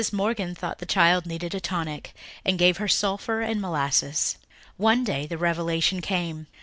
Morgan thought the child needed a tonic and gave her sulphur and molasses. One day the revelation came.